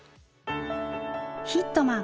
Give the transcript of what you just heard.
「ヒットマン」